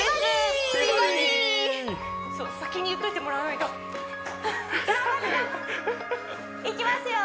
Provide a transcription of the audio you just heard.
先に言っておいてもらわないといきますよ